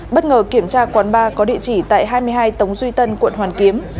bất ngờ kiểm tra quán ba có địa chỉ tại hai mươi hai tống duy tân quận hoàn kiếm